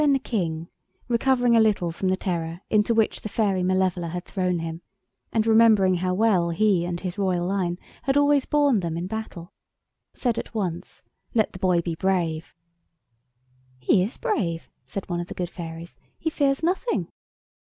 Then the King, recovering a little from the terror into which the fairy Malevola had thrown him, and remembering how well he and his royal line had always borne them in battle, said at once— "Let the boy be brave." "He is brave," said one of the good fairies; "he fears nothing."